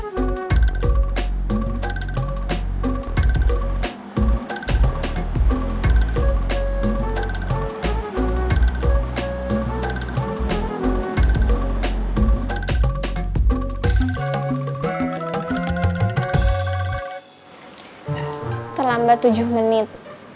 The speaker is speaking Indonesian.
terlambat tujuh menit